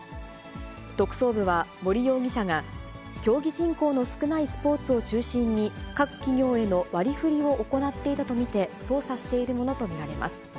特捜部は、森容疑者が競技人口の少ないスポーツを中心に、各企業への割りふりを行っていたと見て、捜査しているものと見られます。